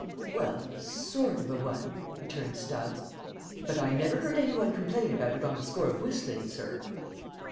"Well, a sort of a one," returned Stubbs; "but I never heard any one complain about it on the score of whistling, sir."